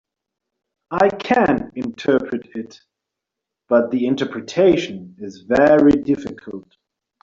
I can interpret it, but the interpretation is very difficult.